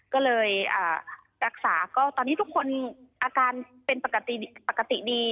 ก็เลยรักษาก็ตอนนี้ทุกคนอาการเป็นปกติดี